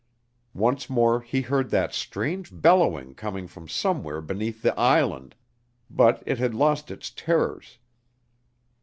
Once more he heard that strange bellowing coming from somewhere beneath the island, but it had lost its terrors.